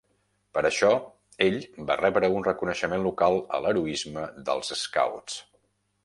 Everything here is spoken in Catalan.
Per això, ell va rebre un reconeixement local a l'heroisme dels Scouts.